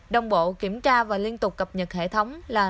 đồng bộ kiểm tra và liên tục cập nhật hệ thống là